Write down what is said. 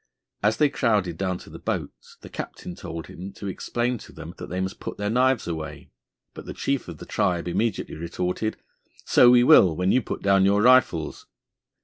As they crowded down to the boats, the captain told him to explain to them that they must put their knives away; but the chief of the tribe immediately retorted, "So we will, when you put down your rifles."